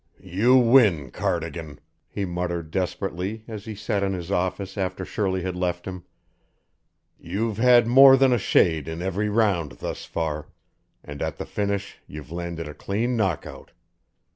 "You win, Cardigan," he muttered desperately as he sat in his office after Shirley had left him. "You've had more than a shade in every round thus far, and at the finish you've landed a clean knockout.